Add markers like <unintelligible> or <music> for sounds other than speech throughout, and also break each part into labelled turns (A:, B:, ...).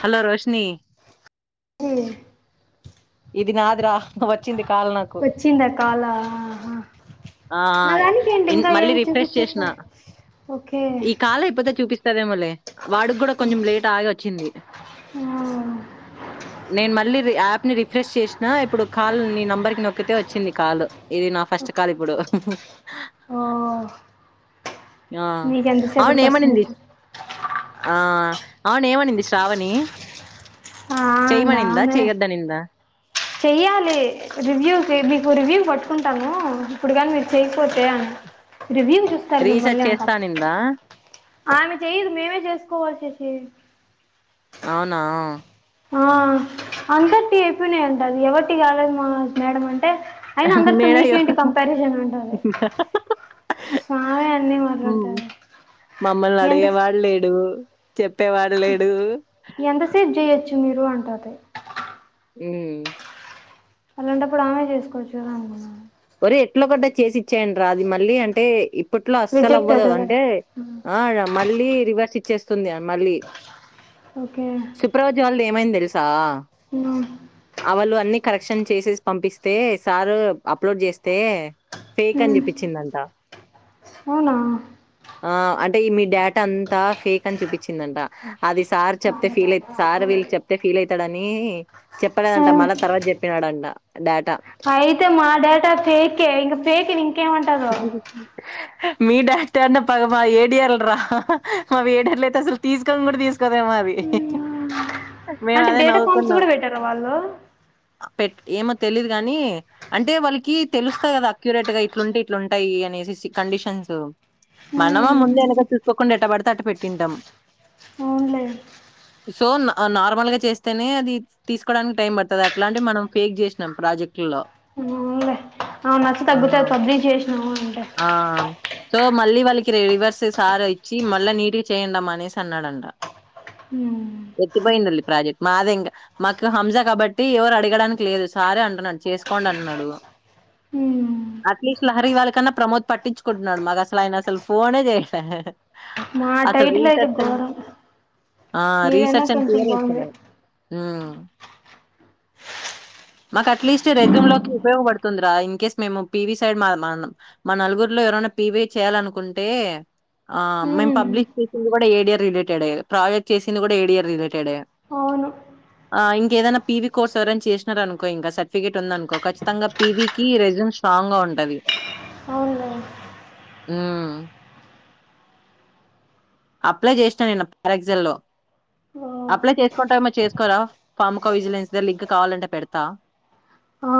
A: Hello! Roshni.
B: ఉమ్మ్.
A: ఇది నాదిరా. వచ్చింది కాల్ నాకు
B: వచ్చింద? కాలా? ఆ హా
A: ఆ
B: నా దానికి
A: ఇన్-
B: ఇంకా
A: మళ్ళీ
B: ఏం
A: రిఫ్రెష్ చేసిన
B: చూపించట్లే, ఓకే.
A: సరే మల్లె వాడుకూడా కొంచెం లేట్ ఆగి వచ్చింది.
B: ఆ,
A: నేను మళ్ళీ ఆపినరి. రిఫ్రెష్ చేసినా ఇప్పుడు కాల్ నీ నెంబర్ కి నొక్కితే వచ్చింది కాల్. ఇది నా ఫస్ట్ కాల్ ఇప్పుడు.
B: ఆహ్
A: ఆహ్ ఆవిడనేమనింది.
B: చూ
A: ఆహ్ అవును ఏవనింది శ్రావణి.
B: అవునా
A: చేయమనిందా
B: ఆమె
A: చెయ్యొద్దనిందా
B: చెయ్యాలి రివ్యూ మీకు రివ్యూ పట్టుకుంటాదా. ఇప్పుడు కానీ మీరు చేసి. పోతే రివ్యూ చేసుకోవాలి
A: రీసెర్చ్
B: మళాంట.
A: చేస్తానిందా
B: ఆమె చెయదు మేమే చేసుకోవాలి శేశి.
A: అవునా
B: ఆహ్ అంతటి అయిపోయినాయి అంట అది ఎవరికి కాదేమో మేడం అంటూ. అంటే అయిన అందరితో మీకేంటి కంపారిజన్ ఉంటుంది
A: మేడయ్యో
B: ఆహ్ అదే నేను మాట్లాడతాను.
A: నన్ను అడిగే వాడులేడు. చెప్పేవాడు లేడు హ.
B: ఎంతసేపు చేయొచ్చు మీరు ఏం పాతే.
A: ఉమ్.
B: అలాంటప్పుడు ఆమెనే చేసుకోవచ్చు కదా.
A: ఎట్లాగో అట చేసి ఇచ్చేయండ్రిరా అది మల్లి అంటే‌ ఇప్ప ఇప్పట్లో అస్సలు
B: రిజెక్ట్
A: అవ్వదు
B: అవుతుంది కదా
A: అంటే ఆహ్ మళ్ళీ రివర్స్ ఇచ్ చేస్తుంది ఆప్. మళ్ళీ
B: ఓకే
A: సుప్రజ వాళ్లది ఏమైంది. ఇది సా.
B: ఉమ్,
A: ఆహ్ వాళ్ళు అన్ని. కరెక్షన్ చేసేసి పంపిస్తే సారు అప్ప్ పూజ చేస్తే. ఫేక్ అని
B: ఉమ్,
A: చూపించిందంట
B: అవునా
A: ఆహ్ అంట్. హే ‌‌మీ డాడ్. అంతా ఫేక్ అని చూపించిందంట హ. అది సార్ చెప్తే ఫీల్ అయి సార్ వీళ్ళ చెప్తే ఫీల్ అయితడని. <inaudible>
B: ఆ,
A: చెప్పలేదంట మళ్ళ తర్వాత చెప్పినాడంట. డాటా.
B: అయితే మా డాటా ఫేకె ఇంకా ఫేక్ నింప్.
A: <unintelligible> మీ డాక్టర్ అన్న పగమా ఏడిర్ల రా మా ఏడార్లు అయితే అసలు తీసుకని కూడా తీసుకు గాదె మరి మేము
B: అంటే
A: అదే
B: డేటా ఫామ్స్
A: నవ్వుకున్నాం
B: కూడా పెట్టారా వాళ్ళు
A: పె ఏమో తెలీయదు కాగాని అంటే వాళ్ళకి తెలుస్తా కదా అక్యూరేట్ గా ఇట్లుంటే ఇ లుంటాయి అనే కండిషన్స్ మనం
B: ఉమ్,
A: ముందు వెనక చూసుకోకుండా ఎట్టబడితే అటు పెట్టింటాం
B: అవునులే
A: సో నార్మల్గా చేస్తేనే అది తీసుకోడానికి టైం పడుతుంది అట్లాంటి మనం ఫేక్ చేసినాం ప్రాజెక్టులలో
B: ఆ మచ్చ తగ్గుతా కొద్ది చేసి
A: ఆ సో మళ్ళీ వాళ్ళకి రివర్స్ సార్ ఇచ్చి మళ్ళా నీట్గా చేయండ అనేసి అన్నాడంట
B: ఉమ్,
A: ఎత్తిపోయిందల్లి ప్రాజెక్ట్ మాది ఇంకా మాకు హంస కాబట్టి ఎవరు అడగడానికి లేదు సారే అంటున్నాడు చేసుకోండి అన్నాడు
B: ఉమ్,
A: అట్లీస్ట్ లహరి వాళకన్నా ప్రమోద్ పట్టించుకుంటున్నాడు మాకు అసలు ఆయన అసలు ఫోనే చేయటలే
B: మా టైటిల్ అయితే ఘోరం
A: ఆ
B: మీదైనా కొంచెం బాగుంది
A: హు మాకు అట్లీస్ట్ రెజ్యూమ్ లోకి ఉపయోగపడుతుందిరా ఇన్ కేస్ మేము పివి సైడ్ మా మా నలుగురులో ఎవరైనా పివిఐ చేయాలినుకుంటే ఆ మేము
B: ఉమ్,
A: పబ్లిష్ చేసింది కూడా ఏడియర్ రిలేటెడే ప్రాజెక్ట్ చేసింది కూడా ఏడియర్ రిలేటెడే
B: అవును
A: ఆ ఇంక ఏదైనా పివి కోర్స్ ఎవరైనా చేసినార అనుకో ఇంకా సర్టిఫికేట్ ఉంది అనుకో చ్చితంగా పీవకి రెజంముస్ట్రాంగ్ గా ఉంట ఉంటది
B: అవునులే
A: హు అప్లై చేసినా నేను పరేగ్జల్ లో
B: ఓ
A: అప్లై చేసుకుంటా ఏమో చేసుకోరా ఫామ్ కా విజిలెన్స్ దా లింక్ కావాలంటే పెడతా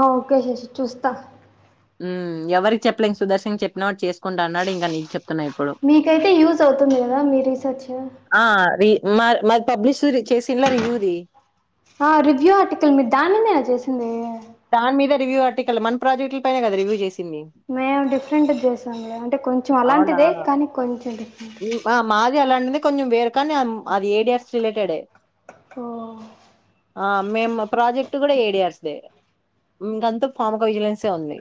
B: హా ఓకే శశి చూస్తా
A: హు ఎవరి కి చెప్పలేం సుదర్శన్ కి చెప్పిన వాడు చేసుకుంట అన్నాడు ఇంకా నీకు చెప్త
B: మీకైతే యూజ్ అవుతుంది కా గా మీ రీసెర్చ్
A: మా మాది పబ్లిషు చేసలా రివ్యూది
B: ఆ రివ్యూ ఆర్టికల్ మీ దాన్ని మీనే చేసింది
A: దాని మీద రివ్యూ ఆర్టికల్ మన ప్రాజెక్టుల పైన కదా రివ్యూ చేసి
B: మేము డిఫరెంట్ చేసాములే అంటే కొంచెం
A: అవునా?
B: అలాంటిదే కానీ కొంచెం డిఫరెంట్
A: ది అలాంటిది కొంచెం వేరు కానీ అది ఏడియాస్ రిలేటెడ్
B: ఓ
A: ఆ మేము ప్రాజెక్ట్ కూడా ఏడియర్స్ దే ఇంకంతా పాాముగా విజిలెన్సే ఉంది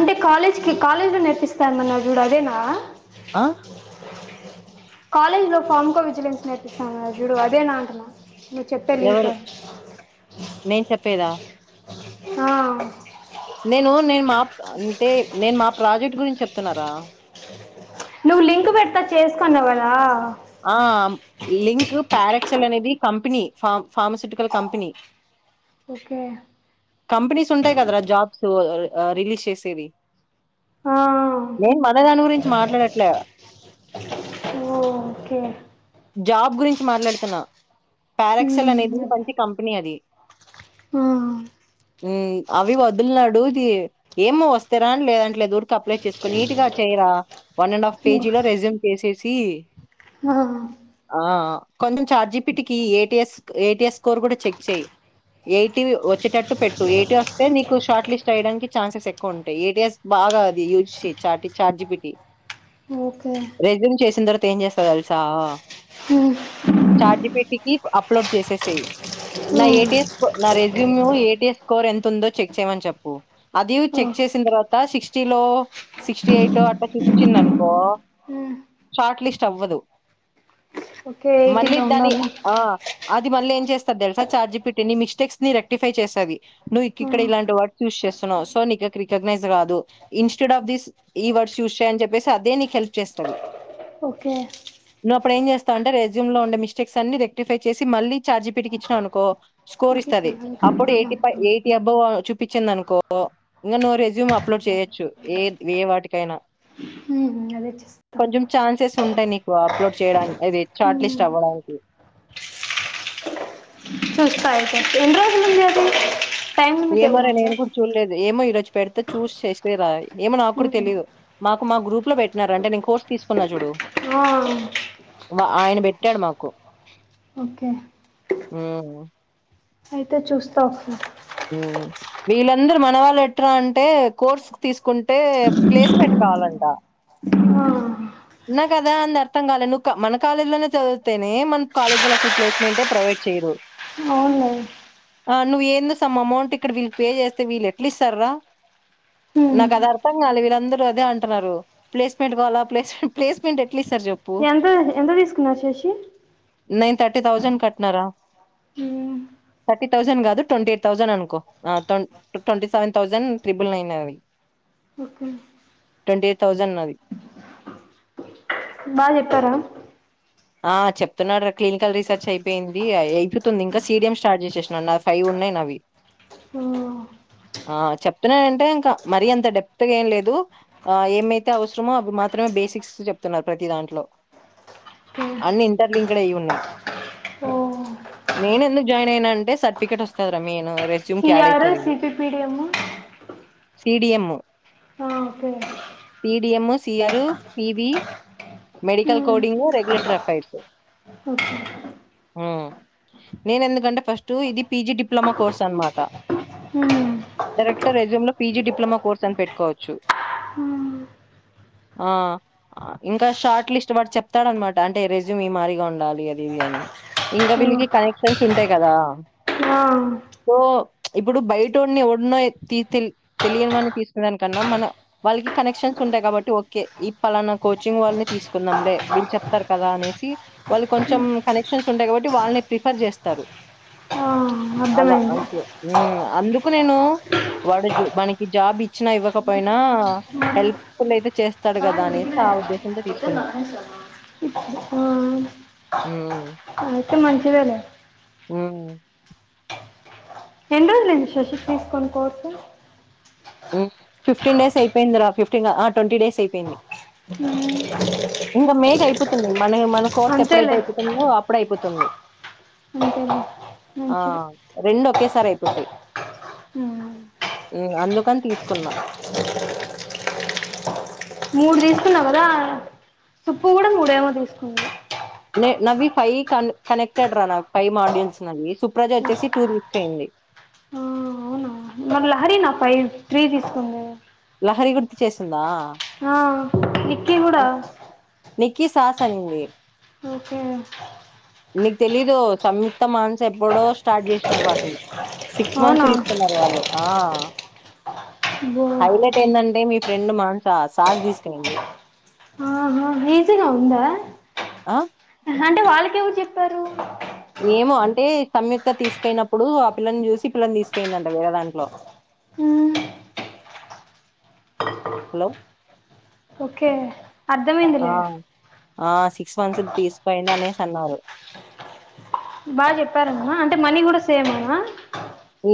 B: అంటే కాలేజ్ కి కాలేజ్ లో నేర్పిస్తామన్నా చూడు అదేనా
A: ఆ
B: కాలేజ్ లో ఫామ్ కు విజిలెన్స్ నేర్పిస్తానుజుడు అదే నా అంటున్నా నువ్వు చెప్పే లిజర్
A: పేద
B: ఆ
A: నేను నేను మా అంటే నేను మా ప్రాజెక్ట్ గురించి చెప్తున్నారా
B: నువ్వు లింక్ పెడతా చేసుకో అన్నావ్ కదా
A: ఆ లింక్ ప్యారాక్సల్ అనేది company పర్మ pharmaceutical company
B: okay
A: companies ఉంటాయి కదరా జాబ్స్ హు రిలీషిస్ ఇది
B: ఆ
A: నేను మనదాని గురించి మాట్లాడట్లే
B: ఓఓకే
A: జాబ్ గురించి మాట్లాడుతున్నా పార ఎక్సల్
B: హ్మ్
A: అనేది
B: అదే
A: మంచి కంపెనీ అది
B: ఆ
A: హ్మ్ అవి వదులిన్నాడు ఇది ఏమో వస్తారా అని లేదాట్లేదురుకు అప్లై చేసుకోని నీట్గా చేయరా వన్ అండ్ హాఫ్ పేజీలో రెజ్యూమ్ చేసేసి
B: ఆ
A: కొంచెం చార్జిపిటికి ఏటీఎస్ ఏటిఎస్ స్కోర్ కూడా చెక్ చేయి ఎయిటీ వచ్చేటట్టు పెట్టు ఎయిటీ వస్తే నీకు షార్ట్ లిస్ట్ అయ్యడానికి ఛాన్సెస్ ఎక్కువ ఉంటాయి ఏటీఎస్ బాగా అది యూజ్ చార్జిపిటీ
B: ఓకే
A: రెజూమ్ చేస్ చిందంస్తా <unintelligible> తెలుసా
B: హ్మ్
A: చాటిపట్కి అప్లోడ్ చేసేస నా
B: హ్మ్
A: ఏస్ నా రెజూమ్ ఏఎస్ స్కోర్ ఎంత ఉందో చెక్ చేయమని చెప్పు అది
B: ఓ
A: చెక్ చేసిన తర్వాత సిక్స్టీ లో సిక్స్టీ ఎయిట్ అట్లా చూపించింది అనుకో
B: హ్మ్
A: షార్ట్ లిస్ట్ చవ్వదు
B: ఓకే ఎయిటీలో ఉండాలి
A: అది మళ్ళీ ఏం చేస్తది తెలుసా చార్జిపిట్ నీ మిస్టేక్స్ ని రెక్టిఫై చేస్తుది నువ్వు ఇక్క
B: ఆ
A: ఇక్కడ ఇలాంటి వర్స్ యూజ్ చేస్తున్నావు సో నీకు రికగ్నైజ్ కాదు ఇన్స్టెడ్ ఆఫ్ దీస్ ఈ వర్డ్స్ యూజ్ చేయ అని చెప్పేసి అదే నీకు హెల్ప్ చేస్తుది
B: ఓకే
A: నువ్వు అప్పుడు ఏం చేస్తావు అంటే రెస్యూమ్ లో ఉండే మిస్టేక్స్ అన్ని రెక్టిఫై చేసి మళ్ళలీ చార్జిపీకి ఇచ్చిన అనుకో స్కోర్
B: ఓకే
A: ఇస్తంది అప్పుడు ఎయి ఎయిటీ అబవ్ చూపించింది అనుకో ఇంకా నువ్వు రెజ్యూమ్ అప్లోడ్ చేయొచ్చు ఏ ఏ వాటికైనా
B: హ్మ్ అదే చేస్తా
A: కొంచెం ఛాన్సెస్ ఉంటాయి నీకు అప్లోడ్ చేయనికి అ షార్ట్ లిస్ట్
B: హ్మ్
A: అవ్వడానికి
B: చూస్తా అతే ఎన్ని రోజులు ఉంది అది టైం లిమిట్ ఏమన్నా
A: ఏమరా
B: ఉందా
A: నేను కూడా చూడలేదు ఏమో రచ్చి పెడితే చూ చేససి రాయి ఏమో నాకు
B: హ్మ్
A: తెలీదు మాకు మా గ్రూప్ లో పెట్టినార అంటే నేను కోర్స్ తీసుకున్నా చూడు
B: ఆ
A: వా ఆయన పెట్టాడు మాకు
B: ఓకే
A: హ్మ్
B: అయితే చూస్తా ఒకసారి
A: వీళ్ళందరూ మన వాళ్ళు ఎట్రా అంటే కోర్స్ తీసుకుంటే అంటే ప్లేస్మెంట్ కావాలండ
B: ఆ
A: కద అ అర్ం కాల మన కాల లో చదినే మన కాల అ ప్లేస్మె ప్రొవై చేయవ
B: అవునులే
A: <unintelligible> అమౌంట్ ఇక్కడ వీళ్లు ప్లే చేస్తే వీళ్ళ ఎట్లా ఇస్తారా
B: హ్మ్
A: నాకు అది అర్థం కాలదు వీళ్ళందరూ అదే అంటున్నారు ప్లేస్మెంట్ కావాలా ప్లేమెట్ ప్లేస్మెంట్
B: ఎంత ఎంత తీసుకున్నారు శశి
A: నైన్ థర్టీ థౌజండ్ కట్నారా
B: హ్మ్
A: థర్టీ థౌజండ్ కాదు ట్వంటీ ఎయిట్ ౌండ్ అను twenty seven thousand triple nine అ
B: ఓకే
A: ట్ంటీ ఎయిట్ ౌసండ్ అ <unintelligible>
B: బా చెప్పారా
A: ఆ చెప్తున్నాడు క్లినికల్ రీసెర్చ్ అయిపోయింది అయితుతుంది ఇంకా సీడియం స్టార్ట్ చేసేసన్నాడు నా ఫైవ్ ఉన్నాయిన్ నావి చెప్తున్నాడుంటే ఇంకా మరీ అంత డెప్త్గా ఏం లేదు ఏమైతే అవసరమో అవి మాత్రమే బేసిక్స్ చెప్తున్నారు ప్రతి దాంట్లో
B: ఓకే
A: అన్ని ఇంటర్ లింక్డ్ అయి ఉన్నాయి
B: ఓ
A: నేను ఎందుకు జాయిన్ అయినా అంటే సర్టిఫికెట్ వస్తుంది రా మెయిన్ రెస్యూమ్ కి యాడ్
B: సిఆర్
A: అవుతుంది ఇది
B: CP PDM
A: CDM CDM CR PB medical coding రెగ క్లట్రా ఫైల్స్
B: ఓకే
A: హ్మ్ నేను ఎందుకంటే ఫస్ట్ ఇది పిజీ డిప్లొమా కోర్స్ అనమాట డైరెక్టర్ ఎూమ్ లో పిజీ డిప్లొమా కోర్స్ అని పెట్టుకోవచ్చు ఇంకా షార్ట్ లిస్ట్ వా చెప్తాడనమాట అంటే రెజూమ్ ఈ మరిగా ఉండాలి అది ఇది అని ఇంకా వీళ్ళకి కనెక్షన్స్ ఉంటాయి కదా సో ఇప్పుడు బయట వాడిని ఎవడినో తెలియని వాని తీసుకునే దానికన్నా మన వాళ్ళకి కనెక్షన్స్ ఉంటాయి కాబట్టి ఓకే ఈ పలానా కోచింగ్ వాళ్ళని తీసుకున్నాంలే వీళ్ళు చె కదా అనేసి వాళ్ళు కొంచెం కనెక్షన్స్ ఉంటాయి కాబట్టి వాళ్ళని ప్రిఫర్ చేస్తారు అలా
B: అర్థమైంది
A: అంతే హ్మ్ అందుకు నేను వాడు మనకి జాబ్ ఇచ్చినా ఇవ్వకపోయినా హెల్ప్ ఫుల్ అయితే చేస్తాడు కదా అనేసి ఆ ఉద్దేశంతో తీసుకున్నా అ
B: మంచిదా లే
A: హ్మ్
B: ఎన్ని రోజులు అయింది శశి తీసుకొని కోర్స్
A: ఫిఫ్టీన్ డేస్ అయిపోయిందిరా ఫిఫ్టీన్ ఆ ట్వంటీ డేస్ అయిపోయింది ఇంకా మే కి అయిపోతుంది మనకి మన కోర్స్ ఎప్పుడైతే
B: అంతేలే
A: అయిపోతుందో అప్పుడే అయిపోతుంది
B: అంతేలే
A: ఆ
B: మంచిది
A: రెండు ఓకేసారి ఒకసారిఅయిపోతాయి అన్ని క్కని తీసుకున్నా
B: మూడు తీసుకున్నావు కదా సుప్పు కూడా మూడేమో తీసుకున్నా
A: నవ్వి ఫైవ్ క కనెక్టెడ్ రా నా ఫైవ్ మోడ్యూల్స్ నవి సుప్రజ వచ్చేసి త్వో ఫిఫ్టీన్ ది
B: ఆ అవునా మరి లహరిీ నా ఫైవ్ త్రీ తీసుకుంది
A: లహరిీ గుర్తు చేసిందా
B: ఆ నిక్కీ కూడా
A: నికీ సాస్ అనిందిే
B: ఓకే
A: నీకు తెలీదు సంయుక్త మానస ఎప్పుడో స్టార్ట్ చేసినారు వాటిని సిక్స్
B: అవునా
A: మంత్స్లు ఇస్తున్నారు వాళ్ళు ఆ
B: బో
A: హైలైట్ ఏందండి మీ మి ఫ్రెండ్ మానస సాస్ తీసుకెపోయింది
B: ఈజీగా ఉందా
A: ఆ
B: అంటే వాళ్ళకేవ చె చెప్పారు
A: ఏమో అంటే సంయుక్త తీసుకయినప్పుడు ఆ పిల్లని చూసి పిల్లని తీసుకెయిిందంట వేరే దాంట్లో
B: మ్మ్
A: హలో
B: ఓకే
A: ఆ
B: అర్ధమేందలే
A: ఆ సిక్స్ మంత్స్ తీసిపోయింద అనేసి అన్నారు
B: బాగా చెప్పారమ్మా అంటే మనీ కూడా సేమ్ అన్ని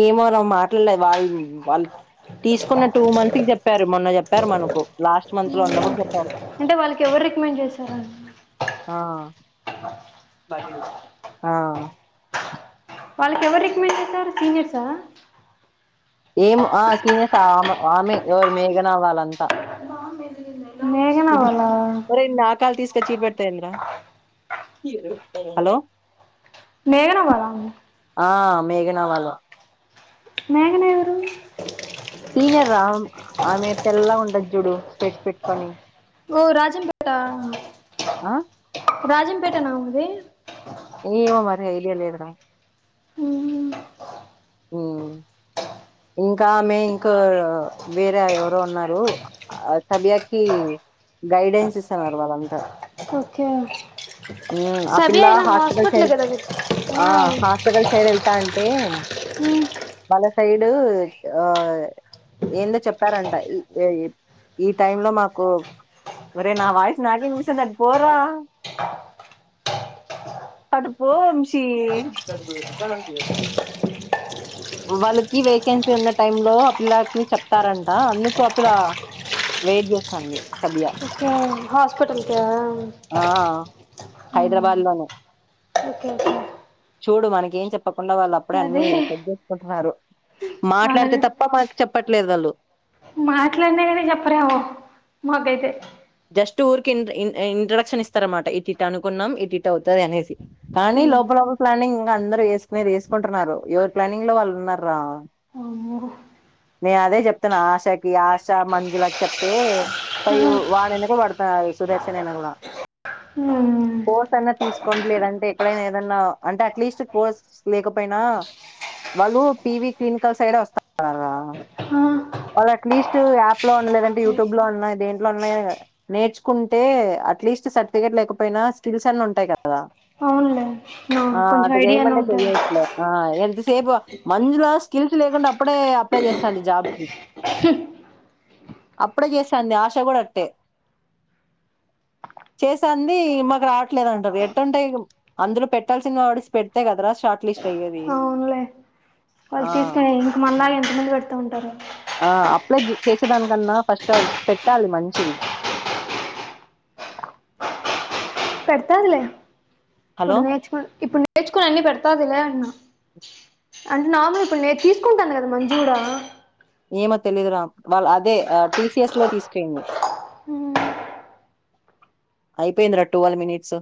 A: ఏమోన మాట్లాడలేదు వాళ్ళు వాళ్ళు తీసుకున్న టూ మంత్ కి చెప్పారు మొన్న చెప్పారు మనకు లాస్ట్ మంత్ లో ఉన్న కూడా చెప్పారు
B: అంటే వాళ్ళకి ఎవరు రికమెండ్ చేశార
A: ఆ ఆ
B: వాళ్ళకి ఎవరు రికమెండ్ చేసారు సీనియర్స
A: ఏం ఆ సీనియర్స్ ఆ ఆమె ఎవరు మేఘన వాళ్ళంతా
B: మేఘన వల్ల
A: తీసుక చీ పెడతాయిందరా హలో
B: మేఘనా వాాలా
A: ఆ మేఘనా వాళ్లే
B: మేఘన ఎవరు
A: సీనియర్ రా ఆమె తెల్ల ఉండదు చుడు స్పెట్స్ పెట్టుకొని
B: ఓ రాజంపేట
A: ఆ
B: రాజం పెటనా ఆమెది
A: ఏమో మరి హైలి అల్ ఇద్ర
B: హ్మ్ మ్మ్
A: హ్మ్ ఇంకా ఆమె ఇంకా వేరే ఎవరో ఉన్నారు ఆ సభ్యకి గైడెన్స్ ఇస్తున్నారు వాళ్ళంతా
B: ఓకే
A: హ్మ్ ఆ
B: సబి
A: పిల్ల
B: అయినా
A: హాస్పిటల్ సైడ్
B: కదా మీరు
A: ఆ హాస్పిటల్ సైడ్ ఎళ్తాంటే మళర్ సైడు ఆ ఏందో చెప్పారంట ఈ టైమ్ లో మాకు ఒరేయ్ నా వాయిస్ నాకే వినిపిస్తుంది అటు పోరా అటు పో వంశీ వాళ్ళకి వేకెన్సీ ఉన్న టైమ్ లో ఆ పిల్లకి చెప్తారంట అందుకు ఆ పిల్ల వెయిట్ చేస్తాంది. సబ్యా
B: హాస్పిటల్ కా
A: హైదరాబాద్ లోనే
B: ఓకే
A: చూడు మనకి ఏం చెప్పక్ ఉన్నవాళ్ళ అప్పుడె అన్నీ
B: అదే
A: కొట్టినారు
B: మనం
A: మాట్లాడితే తప్ప మనక్ చెప్ చెప్పట్లేదాళ్ళు
B: మాట్లాడినా కానీ చెప్పరెమో మాకైతే
A: జస్ట్ ఊరికె ఇన్ ఇంట్రొడక్షన్ ఇస్తారాన్మాట ఇటింట అనుకున్నాం. ఇటింట వత్తది అనేసి కానీ లోప లోపల ప్లానింగ్ ఇంగ అందరూ యెసుకునేది యెసుకుంటున్నారు. ఎవరు ప్లానింగ్ లో వాళ్ళు ఉన్నర్రా
B: అమ్మో
A: నేను అదే చెప్తున్నా ఆశాకి ఆశా మంజులకి చెప్తే ఫైవు వాడెనక పడతాది సుదర్శనయిన కూడా
B: ఉమ్,
A: కోర్స్ అయిన తీసుకోట్లేరంటే ఎక్కడైనా ఏదన్నా అంటే అట్లీస్ట్ కోర్స్ లేకపోయినా వాళ్ళు పివి క్లినికల్స్ సైడ్ వస్తన్నారా,
B: ఆ,
A: వాళ్ళు అట్లీస్ట్ యాప్ లో ఉన్నా లేదంటే యూట్యూబ్ లో ఉన్న దేంట్లో నేర్చుకుంటే అట్లీస్ట్ సర్టిఫికెట్ లేకపోయినా స్కిల్స్ అన్న ఉంటాయి కదా
B: అవునులే
A: ఆ
B: కొంచెం
A: అది
B: ఐడియానే
A: జైమంటే
B: ఉంటుంది
A: తెయట్లే ఆ ఎ సేపు మంజుల స్కిల్స్ లేకుండా అప్పుడే అప్లై చేస్తాండి జాబ్ కి అప్పుడే చేస్తాంది ఆశ కూడా చేస్తాంది మాకు రావట్లేదంటారు ఎట్ంటాయి అందులో పెట్టాల్సినోడిసి పెడితే కదరా షార్ట్ లిస్ట్ అయ్యేది.
B: అవునులే
A: ఆ
B: వాళ్ళు తీసుకునే ఎందుకు మళ్ళా ఇంత మందిపెడ్ ఉంటరు
A: ఆ అప్లైచె చేసేదానికన్నా ఫస్ట్ టైమ్ పెట్టాలి మంచిది.
B: పెడతాదిలే ఇప్పుడు
A: హలో
B: నేర్చుకొని ఇప్పుడు నేర్చుకొని అన్ని పెడతాదిలే అన్నా అంటే నోములు ఇప్పుడు నేన్ తీసుకుంటాను కదా మంజులా
A: ఏమో తెలిదురా వాళ్ళ అదే టి సి ఎస్ లో తీసుకె <inaudible> అయిపోయిందిరా ట్వీల్వ్ మినిట్స్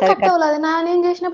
A: సరే కట్
B: కట్టవుల నాదే ఏం చేసినప్పుడు